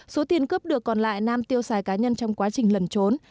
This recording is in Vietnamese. số tiền cướp được còn lại nam tiêu xài cá nhân trong quá trình lẩn trốn